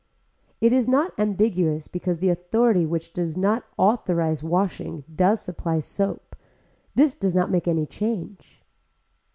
It is not ambiguous because the authority which does not authorise washing does supply soap. This does not make any change.